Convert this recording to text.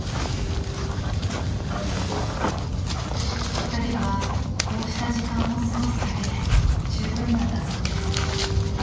［２人はこうした時間を過ごすだけでじゅうぶんなんだそうです］